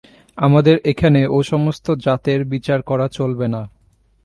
আমাদের এখানে ও-সমস্ত জাতের বিচার করা চলবে না।